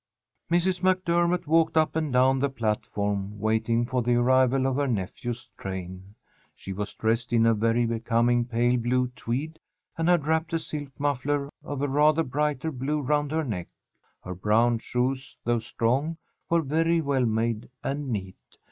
Mrs. MacDermott walked up and down the platform waiting for the arrival of her nephew's train. She was dressed in a very becoming pale blue tweed and had wrapped a silk muffler of a rather brighter blue round her neck. Her brown shoes, though strong, were very well made and neat.